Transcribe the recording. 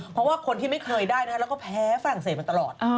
เพราะว่าคนที่ไม่เคยได้แล้วก็แพ้ฝรั่งเศสมาตลอด